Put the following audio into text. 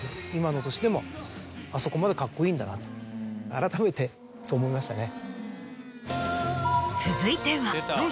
あらためてそう思いましたね。